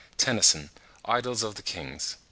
Tennyson, Idylls of the King, p.